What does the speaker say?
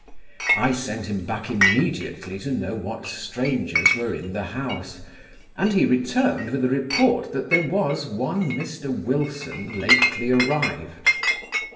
I sent him back immediately to know what strangers were in the house, and he returned with a report that there was one Mr Wilson lately arrived.